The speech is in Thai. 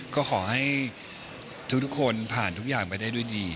ก็ขอให้ทุกคนผ่านทุกอย่างไปได้ด้วยดี